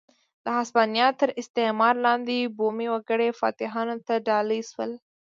د هسپانیا تر استعمار لاندې بومي وګړي فاتحانو ته ډالۍ شول.